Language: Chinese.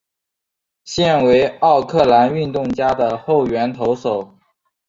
现为奥克兰运动家的后援投手。